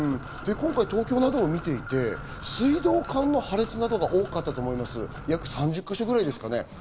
今回、東京などを見ていて、水道管の破裂が多かったと思います、約３０か所ぐらい。